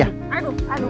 aduh aduh aduh